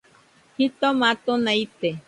Jitoma atona ite